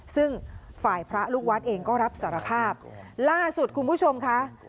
ซึ่งฝ่ายพระลูกวัดเองก็รับสารภาพล่าสุดคุณผู้ชมค่ะ